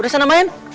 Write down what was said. udah bisa namain